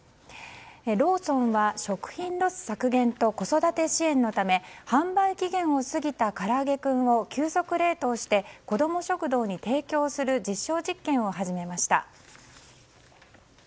ローソンは食品ロス削減と子育て支援のため販売期限を過ぎたからあげクンを急速冷凍して子ども食堂に提供する実証実験を始めました。